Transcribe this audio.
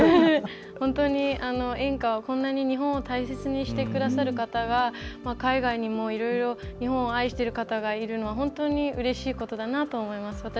本当に演歌を、こんなに日本を大切にしてくださる方が海外にもいろいろ日本を愛している方がいるのは本当にうれしいことだなと思います。